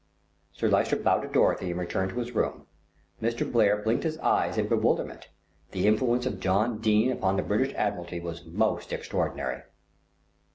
Sir Lyster bowed to Dorothy and returned to his room. Mr. Blair blinked his eyes in bewilderment; the influence of John Dene upon the British Admiralty was most extraordinary.